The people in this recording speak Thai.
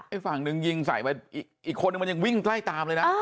ฝั่งหนึ่งยิงใส่ไปอีกคนนึงมันยังวิ่งไล่ตามเลยนะ